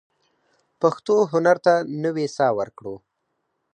پښتو هنر ته نوې ساه ورکړو.